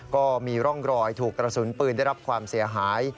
ก็มีร่องรอยถูกกระสุนปืนได้รับความเสียหาย